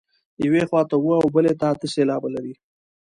یوې خوا ته اووه او بلې ته اته سېلابه لري.